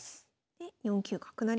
で４九角成。